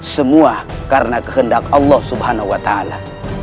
semua karena kehendak allah subhanahu wa ta'ala